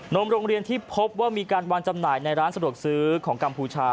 มโรงเรียนที่พบว่ามีการวางจำหน่ายในร้านสะดวกซื้อของกัมพูชา